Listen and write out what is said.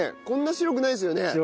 こんな白くないですよね。